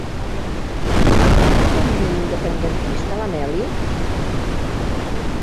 Pertany al moviment independentista la Meli?